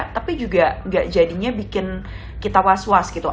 tapi juga nggak jadinya bikin kita was was gitu